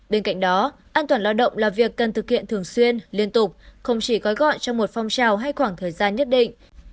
bên cạnh đó an toàn lao động là việc cần thực hiện thường xuyên liên tục không chỉ gói gọn trong một phong trào hay khoảng thời gian nhất định